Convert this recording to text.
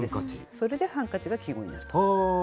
それでハンカチが季語になると。